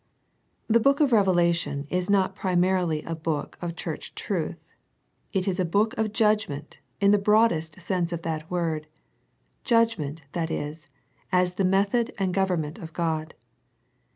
The book of Revelation is not primarily a book of Church truth. It is a book of judg ment in the broadest sense of that word, judg ment, that is, as the method and government of God.